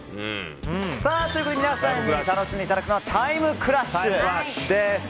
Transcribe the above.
皆さんに楽しんでいただくのはタイムクラッシュです。